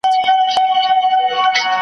یوازیتوب دی صحرايي موسمه لار لنډووم